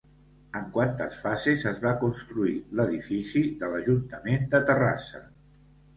En quantes fases es va construir l'edifici de l'Ajuntament de Terrassa?